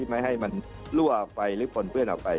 ไม่ให้มันลั่วไปหรือผลเพลื่อนออกไป